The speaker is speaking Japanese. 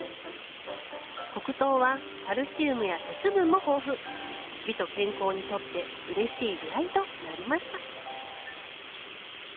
黒糖はカルシウムや鉄分も豊富美と健康にとってうれしい出合いとなりました